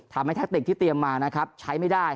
ทำให้แท็กติกที่เตรียมมาใช้ไม่ได้